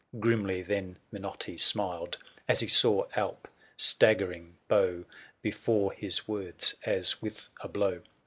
Grimly then Minotti smiled. As he saw Alp staggering bow Before his words, as with a blow.